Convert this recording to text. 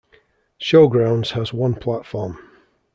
Showgrounds has one platform.